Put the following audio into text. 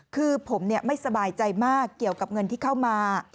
คือผมไม่สบายใจมากเกี่ยวกับเงินที่เข้ามา